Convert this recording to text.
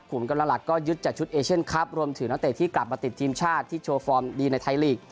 กำลังหลักก็ยึดจากชุดเอเชียนคลับรวมถึงนักเตะที่กลับมาติดทีมชาติที่โชว์ฟอร์มดีในไทยลีก